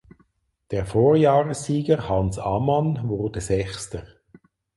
Der Vorjahressieger Hans Ammann wurde Sechster.